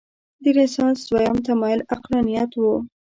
د رنسانس دویم تمایل عقلانیت و.